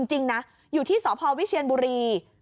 จริงนะอยู่ที่สพวิเชียนบุรี